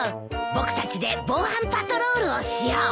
僕たちで防犯パトロールをしよう！